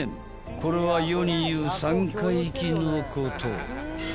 ［これは世に言う３回忌のこと］